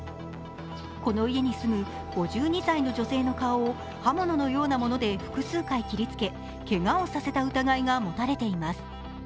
この家に住む５２歳の女性の顔を刃物のようなもので複数回切りつけけがをさせた疑いが持たれています。